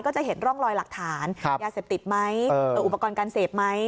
จะเห็นร่องรอยหลักฐานยาเสพติดไหมอุปกรณ์การเสพไหม